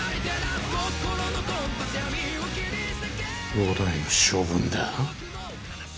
伍代の処分だぁ？